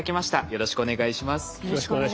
よろしくお願いします。